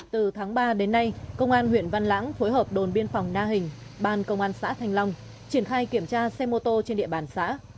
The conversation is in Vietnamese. từ tháng ba đến nay công an huyện văn lãng phối hợp đồn biên phòng na hình ban công an xã thanh long triển khai kiểm tra xe mô tô trên địa bàn xã